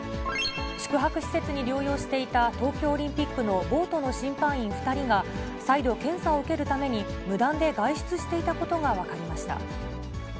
宿泊施設で療養していた東京オリンピックのボートの審判員２人が、再度、検査を受けるために無断で外出していたことが分かりました。